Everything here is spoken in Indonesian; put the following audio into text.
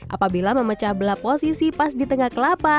apabila memecah belah posisi pas di tengah kelapa